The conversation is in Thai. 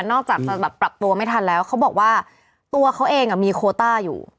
อกจากจะแบบปรับตัวไม่ทันแล้วเขาบอกว่าตัวเขาเองมีโคต้าอยู่